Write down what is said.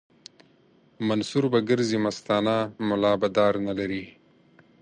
منصور به ګرځي مستانه ملا به دار نه لري